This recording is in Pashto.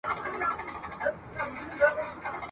چا په میاشت او چا په کال دعوه ګټله !.